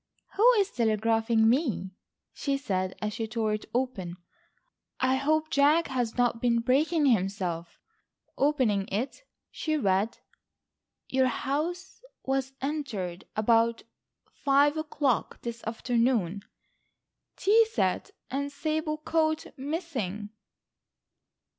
"Who is telegraphing me," she said, as she tore it open. "I hope Jack has not been breaking himself." Opening it, she read: "Your house was entered about five o'clock this afternoon. Tea set and sable coat missing."